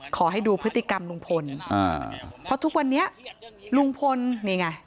ขอให้ดูพฤติกรรมลุงพลอ่าเพราะทุกวันนี้ลุงพลนี่ไง